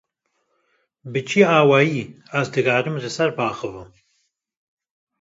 Bi çi awayî, ez dikarim li ser biaxivim ?